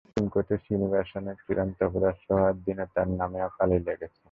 ভারতীয় সুপ্রিম কোর্টে শ্রীনিবাসনের চূড়ান্ত অপদস্থ হওয়ার দিনে তাঁর নামেও কালি লেগেছে।